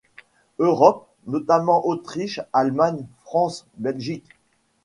Europe, notamment Autriche, Allemagne, France, Belgique.